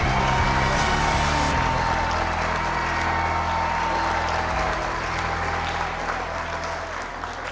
สวัสดีครับ